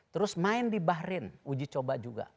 terus main di bahrain uji coba juga